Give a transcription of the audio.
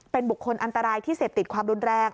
เป็นบุคคลอันตรายที่เสพติดความรุนแรง